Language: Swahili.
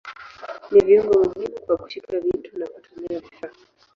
Ni viungo muhimu kwa kushika vitu na kutumia vifaa.